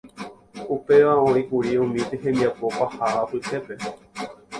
Upéva oĩkuri umi hembiapo paha apytépe.